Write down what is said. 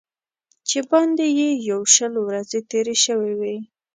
چې باندې یې یو شل ورځې تېرې شوې وې.